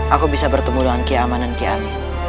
aku bisa bertemu dengan kia aman dan kia amin